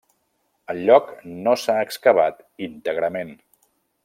El lloc no s'ha excavat íntegrament.